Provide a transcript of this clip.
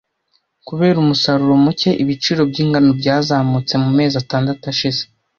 Kubera umusaruro muke, ibiciro by’ingano byazamutse mumezi atandatu ashize.